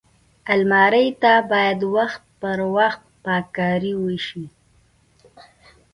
الماري ته باید وخت پر وخت پاک کاری وشي